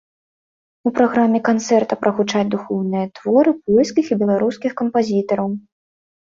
У праграме канцэрта прагучаць духоўныя творы польскіх і беларускіх кампазітараў.